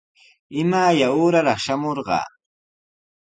¿Imaya uuraraq shamunqa?